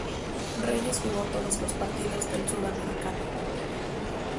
Reyes jugó todos los partidos del Sudamericano.